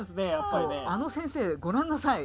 そうあの先生ご覧なさい。